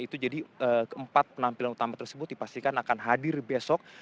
itu jadi keempat penampilan utama tersebut dipastikan akan hadir besok